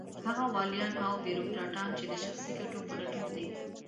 هغه واليان او بېروکراټان چې د شخصي ګټو په لټون دي.